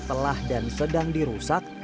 telah dan sedang dirusak